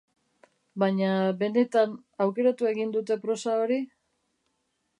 Baina, benetan, aukeratu egin dute prosa hori?